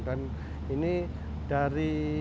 dan ini dari